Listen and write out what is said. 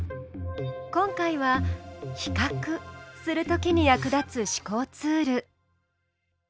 今回は比較するときに役立つ思考ツール。